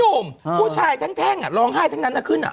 หนุ่มผู้ชายแท่งร้องไห้ทั้งนั้นขึ้น